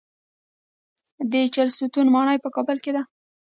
د چهلستون ماڼۍ په کابل کې ده